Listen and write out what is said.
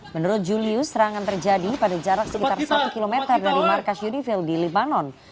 menurut julius serangan terjadi pada jarak sekitar satu km dari markas unifil di lebanon